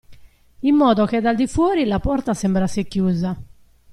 In modo che dal di fuori la porta sembrasse chiusa.